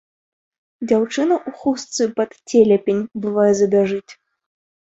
Дзяўчына ў хустцы пад целяпень, бывае, забяжыць.